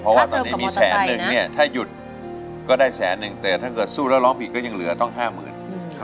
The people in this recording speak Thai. เพราะว่าตอนนี้มีแสนนึงเนี่ยถ้าหยุดก็ได้แสนนึงแต่ถ้าเกิดสู้แล้วร้องผิดก็ยังเหลือต้อง๕๐๐๐บาท